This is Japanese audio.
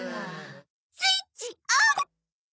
スイッチオン！